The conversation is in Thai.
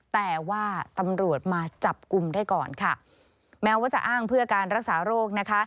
แต่ว่าตำรวจมาจับกลุ่มได้ก่อนค่ะแม้ว่าจะอ้างเพื่อการรักษาโรคนะคะ